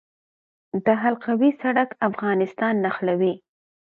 د حلقوي سړک افغانستان نښلوي